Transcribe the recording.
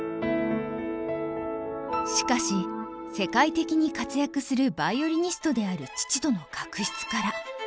しかし世界的に活躍するヴァイオリニストである父との確執から。